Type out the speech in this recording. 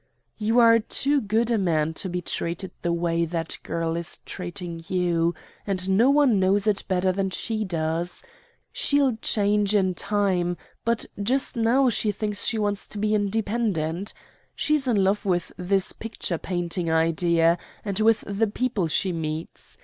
"You are too good a man to be treated the way that girl is treating you, and no one knows it better than she does. She'll change in time, but just now she thinks she wants to be independent. She's in love with this picture painting idea, and with the people she meets.